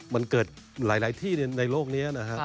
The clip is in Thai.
มันเกิดหลายที่ในโลกนี้นะครับ